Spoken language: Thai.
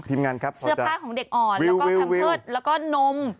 เสื้อผ้าของเด็กอ่อนแล้วก็ทำเพิศแล้วก็นม